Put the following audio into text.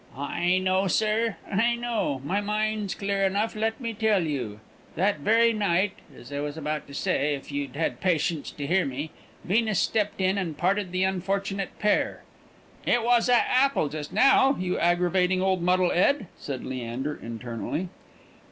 "I know, sir; I know. My mind's clear enough, let me tell you. That very night (as I was about to say, if you'd had patience to hear me) Venus stepped in and parted the unfortunate pair " "It was a apple just now, you aggravating old muddle 'ed!" said Leander, internally.